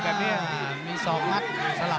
โหโหโหโหโห